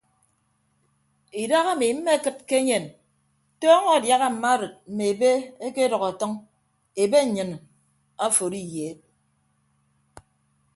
Idaha ami mmekịd ke enyen tọọñọ adiaha mma arịd mme ebe ekedʌk ọtʌñ ebe nnyịn aforo iyeed.